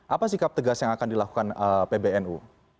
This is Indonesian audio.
apa sikap tegas yang akan dilakukan pbnu